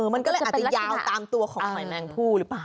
มันก็เลยอาจจะยาวตามตัวของหอยแมงผู้หรือเปล่า